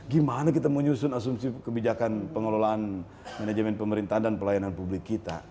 gimana kita menyusun asumsi kebijakan pengelolaan manajemen pemerintahan dan pelayanan publik kita